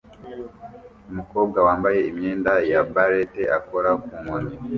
Umukobwa wambaye imyenda ya ballet akora ku nkoni